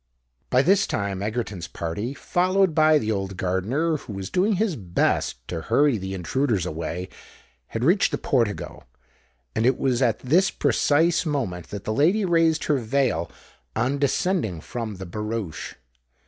By this time Egerton's party, followed by the old gardener, who was doing his best to hurry the intruders away, had reached the portico; and it was at this precise moment that the lady raised her veil on descending from the barouche.